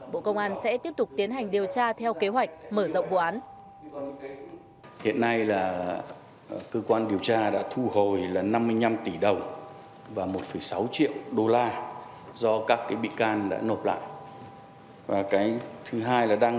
bộ công an sẽ tiếp tục tiến hành điều tra theo kế hoạch mở rộng vụ án